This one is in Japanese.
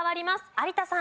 有田さん。